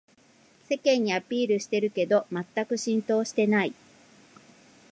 世間にアピールしてるけどまったく浸透してない